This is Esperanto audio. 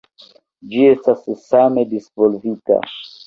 Ĝi estas same disvolvita.